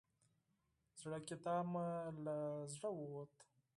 زړه کتاب مې له زړه ووت.